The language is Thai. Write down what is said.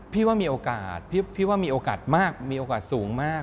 พี่ว่ามีโอกาสพี่ว่ามีโอกาสมากมีโอกาสสูงมาก